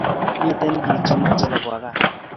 Miten bik che mache kobwa kaa